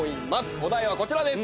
お題はこちらです！